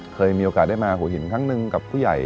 เคยมีโอกาสได้มาหัวหินครั้งหนึ่งกับผู้ใหญ่